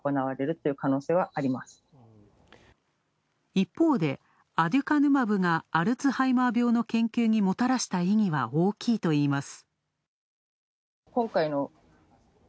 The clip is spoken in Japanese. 一方で、アデュカヌマブがアルツハイマー病の研究にもたらした意義は大きいといいます。